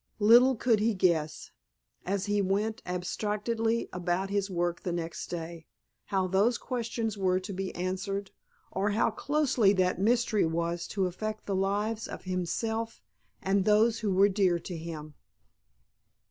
Little could he guess, as he went abstractedly about his work the next day, how those questions were to be answered, or how closely that mystery was to affect the lives of himself and those who were dear to him.